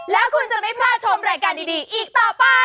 แล้วคุณจะไม่พลาดชมรายการดีอีกต่อไป